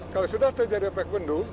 kalau sudah terjadi efek bendung